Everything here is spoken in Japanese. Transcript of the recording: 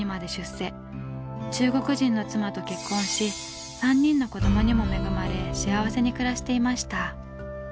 中国人の妻と結婚し３人の子どもにも恵まれ幸せに暮らしていました。